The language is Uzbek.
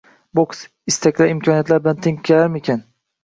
Boks: istaklar imkoniyatlar bilan teng kelarmikan?ng